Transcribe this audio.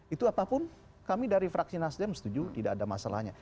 itu apapun kami dari fraksi nasdem setuju tidak ada masalahnya